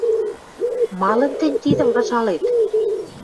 — Малын тӹнь тидӹм выжалет?